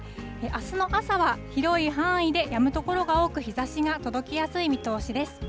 あすの朝は、広い範囲でやむ所が多く、日ざしが届きやすい見通しです。